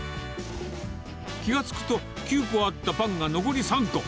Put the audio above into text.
気が付くと、９個あったパンが残り３個。